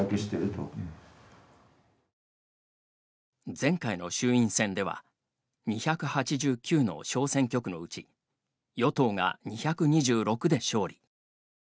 前回の衆院選では２８９の小選挙区のうち与党が２２６で勝利。